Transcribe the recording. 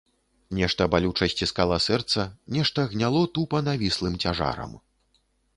Нешта балюча сціскала сэрца, нешта гняло тупа навіслым цяжарам.